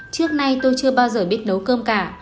trước nay tôi chưa bao giờ biết nấu cơm cả